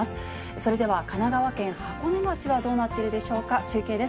それでは神奈川県箱根町はどうなっているでしょうか、中継です。